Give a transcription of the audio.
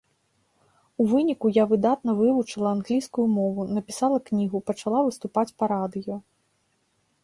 У выніку я выдатна вывучыла англійскую мову, напісала кнігу, пачала выступаць па радыё.